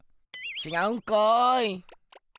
ちがうんかい！